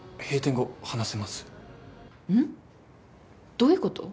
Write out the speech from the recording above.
どういうこと？